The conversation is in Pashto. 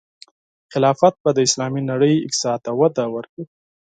خلافت به د اسلامي نړۍ اقتصاد ته وده ورکړي.